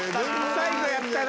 最後やったな。